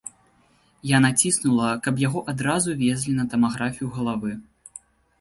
Я націснула, каб яго адразу везлі на тамаграфію галавы.